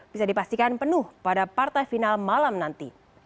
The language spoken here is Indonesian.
bisa dipastikan penuh pada partai final malam nanti